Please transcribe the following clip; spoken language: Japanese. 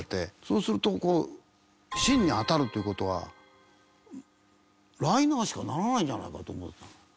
そうするとこう芯に当たるという事はライナーしかならないんじゃないかと。